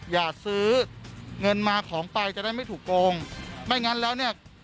อย่าซื้อเงินมาของไปจะได้ไม่ถูกโกงไม่งั้นแล้วเนี่ย